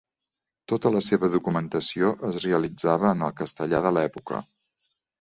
Tota la seva documentació es realitzava en el castellà de l'època.